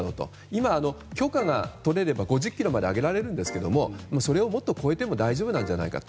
今、許可が取れれば５０キロまで上げられるんですがそれをもっと超えても大丈夫なんじゃないかと。